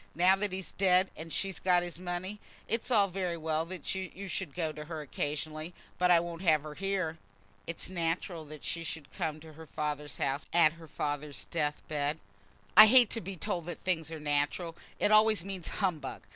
Now that he's dead, and she's got his money, it's all very well that you should go to her occasionally; but I won't have her here." "It's natural that she should come to her father's house at her father's death bed." "I hate to be told that things are natural. It always means humbug.